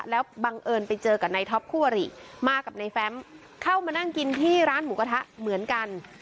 แล้วบังเอิญไปเจอกับนายท็อปคู่อริมากับในแฟมเข้ามานั่งกินที่ร้านหมูกระทะเหมือนกัน